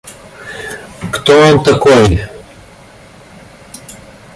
Кто он такой?